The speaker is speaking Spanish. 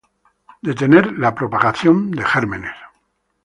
Detener la propagación de gérmenes